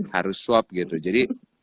harus swap gitu jadi